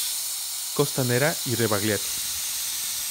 Costanera y Rebagliati.